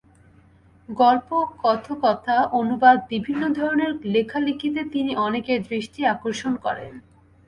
গল্প, কথকতা, অনুবাদ বিভিন্ন ধরনের লেখালেখিতে তিনি অনেকের দৃষ্টি আকর্ষণ করেন।